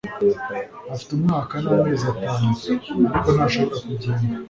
Afite umwaka namezi atanu ariko ntashobora kugenda